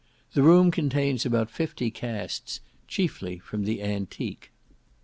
The room contains about fifty casts, chiefly from the antique.